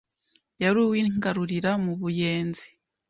yari uw’i Ngarurira mu Buyenzi